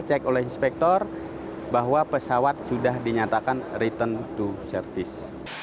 cek oleh inspektor bahwa pesawat sudah dinyatakan return to service